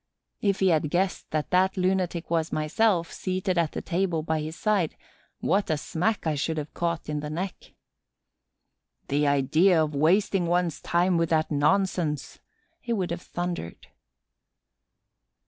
If he had guessed that that lunatic was myself, seated at the table by his side, what a smack I should have caught in the neck! "The idea of wasting one's time with that nonsense!" he would have thundered.